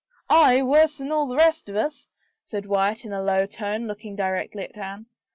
" Aye, worse than all the rest of us," said Wyatt in a low tone, looking directly at Anne.